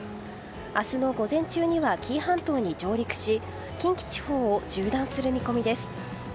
明日の午前中には紀伊半島に上陸し近畿地方を縦断する見込みです。